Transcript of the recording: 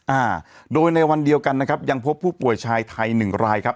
อ่าโดยในวันเดียวกันนะครับยังพบผู้ป่วยชายไทยหนึ่งรายครับ